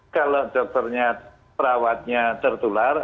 kalau dokternya perawatnya tertular